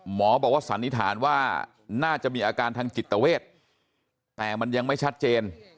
หมอบอกว่าสันนิษฐานว่าน่าจะมีอาการทางจิตเวทแต่มันยังไม่ชัดเจน